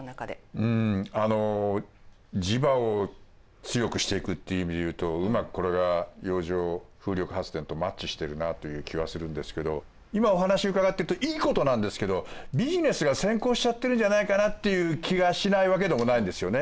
うん地場を強くしていくっていう意味で言うとうまくこれが洋上風力発電とマッチしているなという気はするんですけど今お話伺ってるといいことなんですけどビジネスが先行しちゃってるんじゃないかなっていう気がしないわけでもないんですよね。